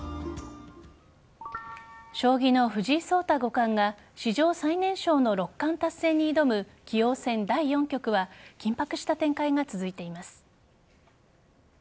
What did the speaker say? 将棋の藤井聡太五冠が史上最年少の六冠達成に挑む棋王戦第４局は緊迫した展開が続いています。